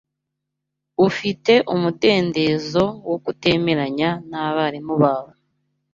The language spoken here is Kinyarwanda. Ufite umudendezo wo kutemeranya nabarimu bawe